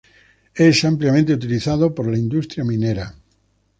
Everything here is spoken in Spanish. Es ampliamente utilizado por la industria minera.